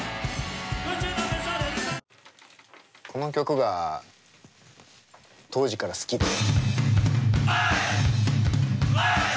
この曲が当時から好きで。